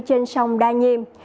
trên sông đa nhiêm